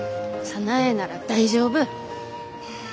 早苗なら大丈夫！